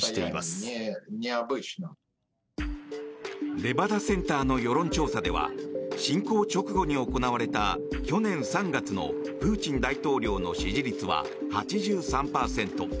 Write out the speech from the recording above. レバダセンターの世論調査では侵攻直後に行われた去年３月のプーチン大統領の支持率は８３％。